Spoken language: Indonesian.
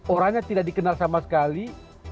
orangnya tidak dikenal sama sekali